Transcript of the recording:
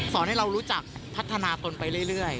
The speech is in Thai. ให้เรารู้จักพัฒนาตนไปเรื่อย